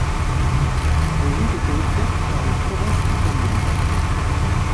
Elles ont été offertes par les provinces italiennes.